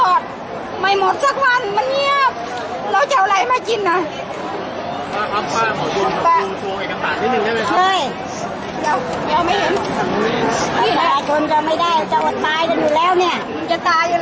อาหรับเชี่ยวจามันไม่มีควรหยุด